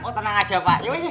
oh tenang aja pak